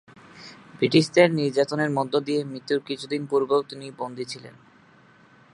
ব্রিটিশদের নির্যাতন এর মধ্যদিয়ে মৃত্যুর কিছুদিন পূর্বেও তিনি বন্দী ছিলেন।